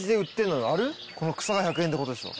この草が１００円って事でしょ。